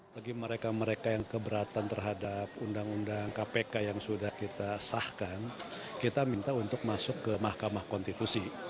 bagi mereka mereka yang keberatan terhadap undang undang kpk yang sudah kita sahkan kita minta untuk masuk ke mahkamah konstitusi